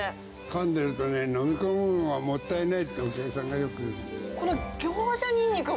かんでるとね、飲み込むのがもったいないって、お客さんがよく言うんです。